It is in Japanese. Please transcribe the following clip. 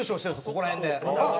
ここら辺で。